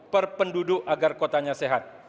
per penduduk agar kotanya sehat